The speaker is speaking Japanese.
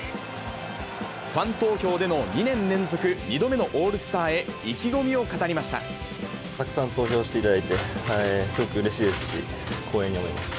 ファン投票での２年連続２度目のオールスターへ、意気込みを語りたくさん投票していただいてすごくうれしいですし、光栄に思います。